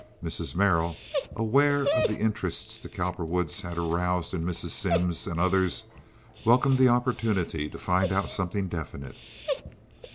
Mrs. Merrill, aware of the interest the Cowperwoods had aroused in Mrs. Simms and others, welcomed the opportunity to find out something definite.